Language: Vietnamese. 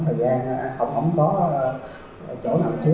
tại đây mọi công đoạn làm sạch